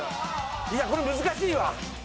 いやこれ難しいわ。